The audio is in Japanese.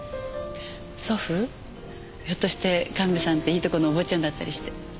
ひょっとして神戸さんっていいとこのお坊ちゃんだったりして。